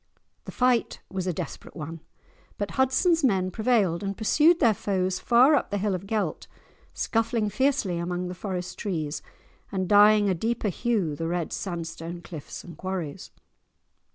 The fight was a desperate one, but Hudson's men prevailed and pursued their foes far up the hill of Gelt, scuffling fiercely among the forest trees and dyeing a deeper hue the red sandstone cliffs and quarries.